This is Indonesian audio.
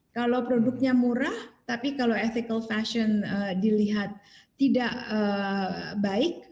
kalau produknya murah tapi kalau ethical fashion dilihat tidak baik